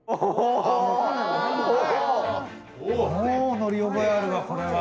もう乗り覚えあるわこれは。